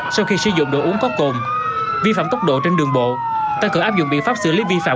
sau khi sử dụng đồ uống có cồn vi phạm tốc độ trên đường bộ tăng cường áp dụng biện pháp xử lý vi phạm